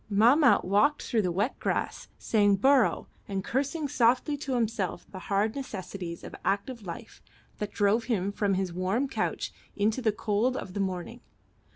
Mahmat walked through the wet grass saying bourrouh, and cursing softly to himself the hard necessities of active life that drove him from his warm couch into the cold of the morning.